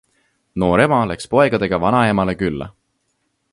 Noor ema läks poegadega vanaemale külla.